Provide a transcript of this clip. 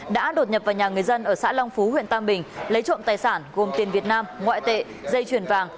đã đột nhập vào nhà người dân ở xã long phú huyện tam bình lấy trộm tài sản gồm tiền việt nam ngoại tệ dây chuyền vàng